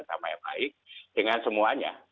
sama yang baik dengan semuanya